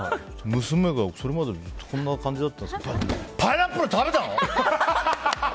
娘が、それまでずっとこんな感じだったのがパイナップル食べたの！